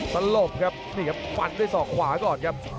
สลบครับนี่ครับฟันด้วยศอกขวาก่อนครับ